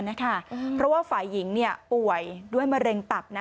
เพราะว่าฝ่ายหญิงป่วยด้วยมะเร็งตับ